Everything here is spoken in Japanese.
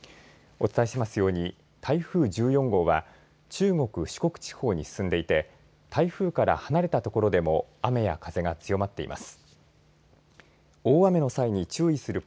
お伝えしていますように台風１４号は中国地方、四国地方に進んでいて台風から離れた所でも雨や風が強まっています。